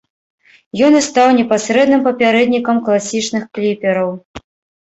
Ён і стаў непасрэдным папярэднікам класічных кліпераў.